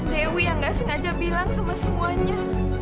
dewi yang gak sengaja bilang sama semuanya